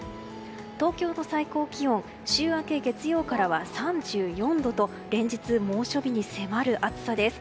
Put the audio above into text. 東京の最高気温週明け月曜からは３４度と連日、猛暑日に迫る暑さです。